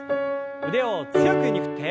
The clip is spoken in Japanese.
腕を強く上に振って。